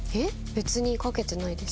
別にかけてないです。